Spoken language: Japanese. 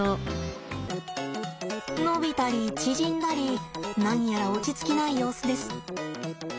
伸びたり縮んだり何やら落ち着きない様子です。